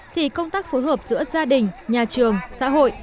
thì công tác phối hợp giữa gia đình nhà trường xã hội